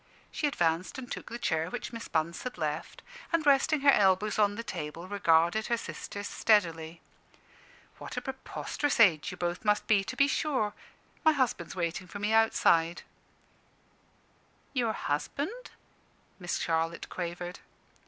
She advanced and took the chair which Miss Bunce had left, and resting her elbows on the table, regarded her sisters steadily. "What a preposterous age you both must be, to be sure! My husband's waiting for me outside." "Your husband?" Miss Charlotte quavered.